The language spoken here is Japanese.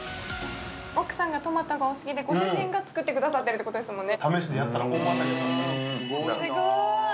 奥さんがトマトが好きで、ご主人が作ってくださってるってことですね。